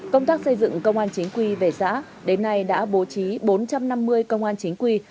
công tác xây dựng công an chính quy về xã đến nay đã bố trí bốn trăm năm mươi công an chính quy